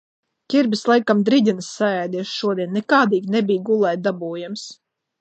Ķirbis laikam driģenes saēdies šodien, nekādīgi nebija gulēt dabūjams.